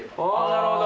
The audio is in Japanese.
なるほど。